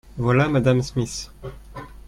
Voilà Mme. Smith.